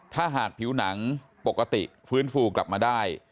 ถ้าหากผิวหนังปกติฟื้นฟูกลับมาได้